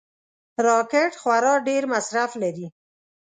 راکټ خورا ډېر مصرف لري